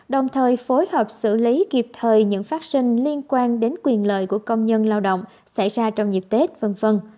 đồng thời phối hợp xử lý kịp thời những phát sinh liên quan đến quyền lợi của công nhân lao động xảy ra trong dịp tết v v